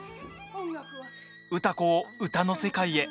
歌子を歌の世界へ。